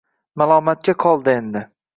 Malomatga qoldi endi